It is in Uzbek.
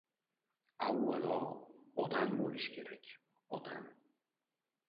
— Avvalo, odam bo‘lish kerak, odam!